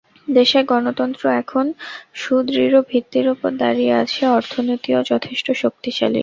দেশের গণতন্ত্র এখন সুদৃঢ় ভিত্তির ওপর দাঁড়িয়ে আছে, অর্থনীতিও যথেষ্ট শক্তিশালী।